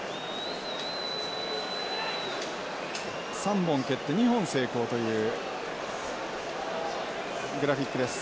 ３本蹴って２本成功というグラフィックです。